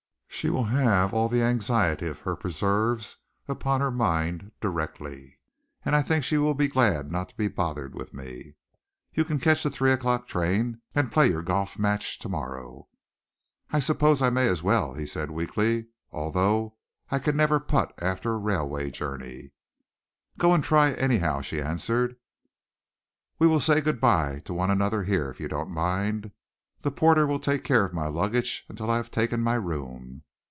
"She will have all the anxiety of her preserves upon her mind directly, and I think she will be glad not to be bothered with me. You catch your three o'clock train, and play your golf match to morrow." "I suppose I may as well," he said weakly, "although I never can putt after a railway journey." "Go and try, anyhow," she answered. "We will say good bye to one another here, if you don't mind. The porter will take care of my luggage until I have taken my room."